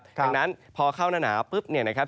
เพราะฉะนั้นพอเข้าหน้านาวปุ๊บเนี่ยนะครับ